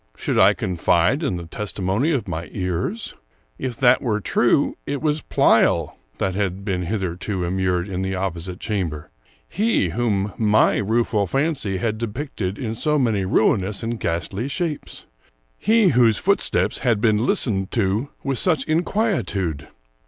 Should I confide in the testimony of my ears? If that were true, it was Pleyel that had been hitherto immured in the opposite chamber; he whom my rueful fancy had depicted in so many ruinous and ghastly shapes; he whose footsteps had been listened to with such inquietude!